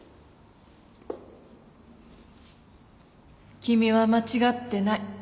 君は間違ってない。